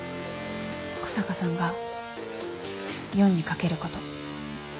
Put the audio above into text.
小坂さんが４に賭けること。